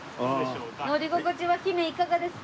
乗り心地は姫いかがですか？